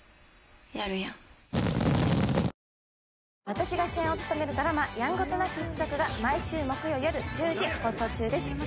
私が主演を務めるドラマ『やんごとなき一族』が毎週木曜夜１０時放送中です。